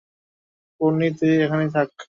পোন্নি, তুই এখানেই থাক।